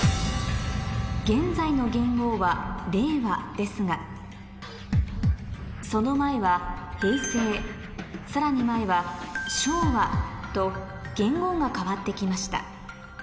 現在の元号は令和ですがその前はさらに前はと元号が変わって来ました